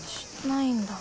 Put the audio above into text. ないんだ。